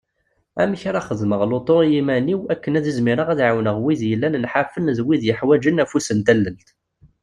Amek ara xedmeɣ lutu i yiman-iw akken ad izmireɣ ad ɛiwneɣ wid yellan nḥafen d wid yeḥwaǧen afus n tallelt.